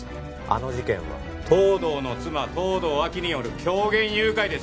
あの事件は東堂の妻東堂亜希による狂言誘拐ですよ